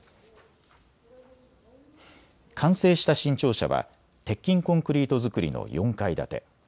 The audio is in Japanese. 完成した新庁舎は鉄筋コンクリート造りの４階建て。